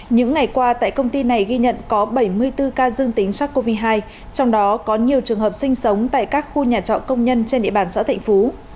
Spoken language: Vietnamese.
những ngày qua tại công ty này ghi nhận có bảy mươi bốn ca dương tính sars cov hai trong đó có nhiều trường hợp sinh sống tại các khu nhà trọ công nhân trên địa bàn xã thạnh phú